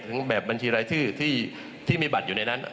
แบบบัญชีรายชื่อที่มีบัตรอยู่ในนั้น